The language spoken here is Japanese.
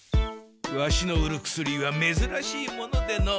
ワシの売る薬はめずらしいものでの。